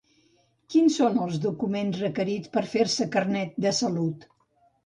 Quins són els documents requerits per fer-se Carnet de salut?